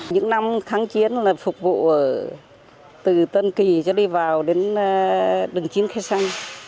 những năm kháng chiến là phục vụ từ tân kỳ cho đi vào đến đường chiến khai sơn